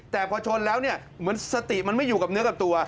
แต่พอชนแล้วเนี่ยเหมือนสติมันไม่อยู่กับเนื้อกับตัว